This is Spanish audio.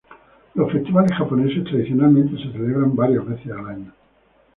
Los festivales japoneses tradicionales se celebran varias veces al año.